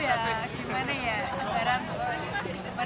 ada gimana ya barang gak baik